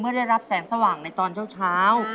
ได้รับแสงสว่างในตอนเช้า